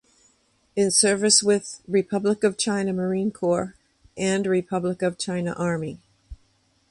In service with Republic of China Marine Corps and Republic of China Army.